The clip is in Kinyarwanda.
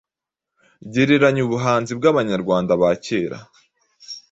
Gereranya ubuhanzi bw’Abanyarwanda ba kera